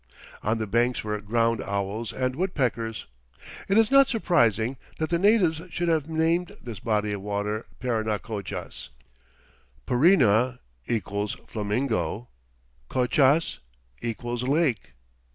On the banks were ground owls and woodpeckers. It is not surprising that the natives should have named this body of water "Parinacochas" (Parina = "flamingo," cochas = "lake").